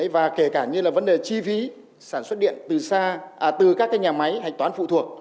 và kể cả như là vấn đề chi phí sản xuất điện từ các nhà máy hành toán phụ thuộc